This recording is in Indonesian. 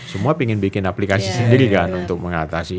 semua ingin bikin aplikasi sendiri kan untuk mengatasi